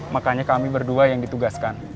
makanya kami berdua yang ditugaskan